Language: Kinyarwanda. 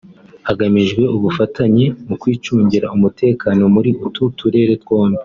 hagamijwe ubufatanye mu kwicungira umutekano muri utu turere twombi